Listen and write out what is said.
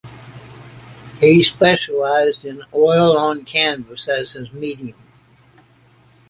He specialized in oil on canvas as his medium.